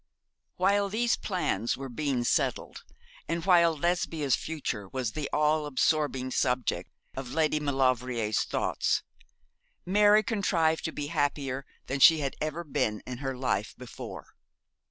While these plans were being settled, and while Lesbia's future was the all absorbing subject of Lady Maulevrier's thoughts, Mary contrived to be happier than she had ever been in her life before.